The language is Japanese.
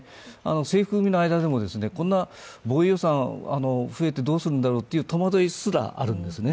制服組の間でもこんな防衛予算が増えてどうするんだろうと戸惑いすらあるんですね。